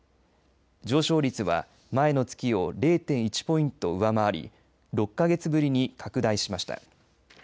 上昇率は前の月を０．１ポイント上回り６か月ぶりに拡大しました。